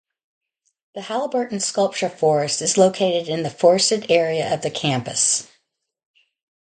The Haliburton Sculpture Forest is located in the forested area of the campus.